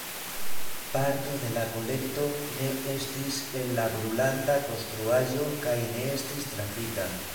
Parto de la kolekto ne estis en la brulanta konstruaĵo kaj ne estis trafita.